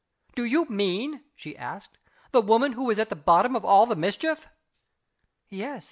"Do you mean," she asked, "the woman who is at the bottom of all the mischief?" "Yes.